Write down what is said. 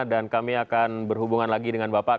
kami akan berhubungan lagi dengan bapak